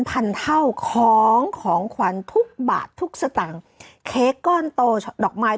พันเท่าของของขวัญทุกบาททุกสตางค์เค้กก้อนโตดอกไม้